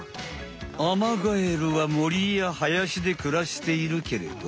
アマガエルはもりやはやしでくらしているけれど。